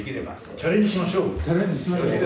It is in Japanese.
チャレンジしましょう。